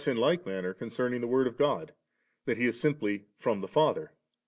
9^ I manner concerning the Word of God, that He is simply from the Father.